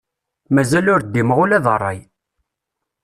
Mazal ur ddimeɣ ula d rray.